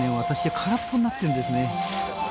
空っぽになっているんですね。